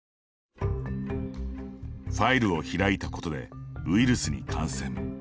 ファイルを開いたことでウイルスに感染。